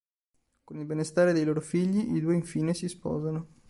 Con il benestare dei loro figli, i due infine si sposano.